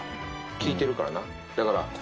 聞いてるからな。